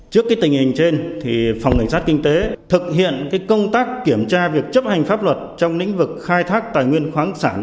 trước tình hình trên phòng cảnh sát kinh tế thực hiện công tác kiểm tra việc chấp hành pháp luật trong lĩnh vực khai thác tài nguyên khoáng sản